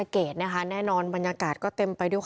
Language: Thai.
เมื่อบ้านน้ำหนองเลย